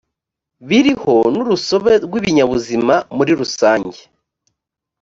biriho n urusobe rw ibinyabuzima muri rusange